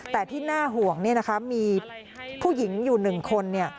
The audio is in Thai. แต่ที่น่าห่วงมีผู้หญิงอยู่๑คน